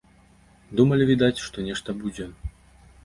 Думалі, відаць, што нешта будзе.